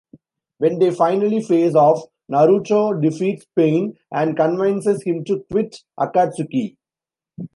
When they finally face off, Naruto defeats Pain and convinces him to quit Akatsuki.